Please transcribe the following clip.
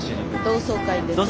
同窓会です。